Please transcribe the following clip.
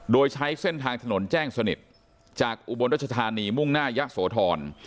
โดยใช้เส้นทางถนนแจ้งสนิทจากอุบลรัชธานีมุ่งหน้ายะโสธร